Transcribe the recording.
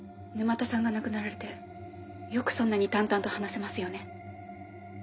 沼田さんが亡くなられてよくそんなに淡々と話せますよね。